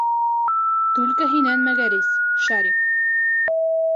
Түлке һинән мәгәрис, Шарик!